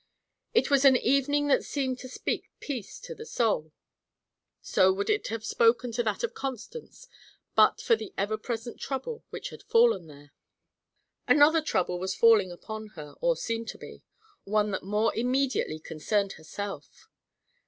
It was an evening that seemed to speak peace to the soul so would it have spoken to that of Constance, but for the ever present trouble which had fallen there. Another trouble was falling upon her, or seemed to be; one that more immediately concerned herself.